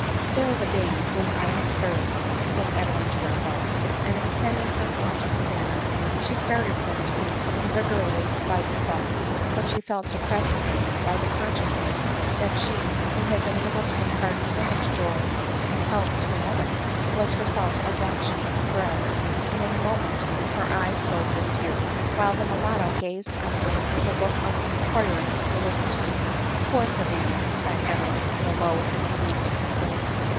" There is a being whom I have served," said Adeline to herself, and, extending her hand to Savanna, she started from her seat, invigorated by the thought ; but she felt depressed again by die consciousness that she, who had been able to impart so much joy and help to another, was herself a wretch for ever ; and in a moment her eyes filled with tears, while the mulatto gazed on her with a look of inquiring solicitude. " Poor Savanna !" cried Adeline in a low and plain tive tone.